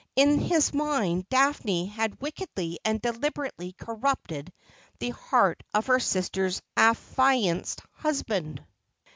In his mind Daphne had wickedly and deliberately corrupted the heart of her sister's affianced husband.